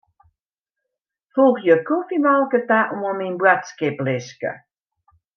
Foegje kofjemolke ta oan myn boadskiplistke.